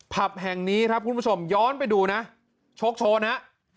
ผับแห่งนี้ครับคุณผู้ชมย้อนไปดูนะโชคโชนฮะ